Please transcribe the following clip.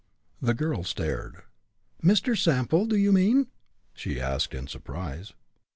The girl stared. "Mr. Sample, do you mean?" she asked, in surprise.